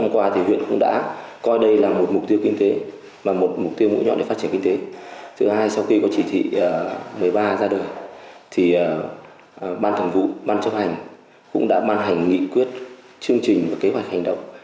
ban chấp hành cũng đã ban hành nghị quyết chương trình và kế hoạch hành động